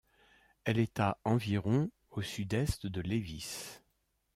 Elle est à environ au sud-est de Lévis.